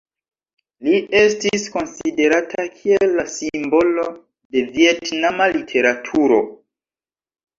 Li estas konsiderata kiel la simbolo de vjetnama literaturo.